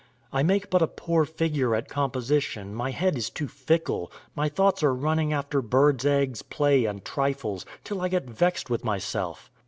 I make but a poor figure at composition, my head is too fickle, my thoughts are running after birds eggs play and trifles, till I get vexed with myself.